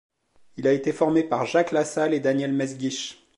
Il a été formé par Jacques Lassalle et Daniel Mesguich.